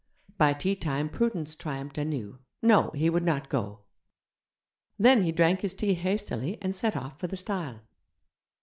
By tea time prudence triumphed anew no, he would not go. Then he drank his tea hastily and set off for the stile.